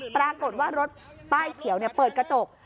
ปรากฏว่ารถป้ายเขียวเปิดกระจก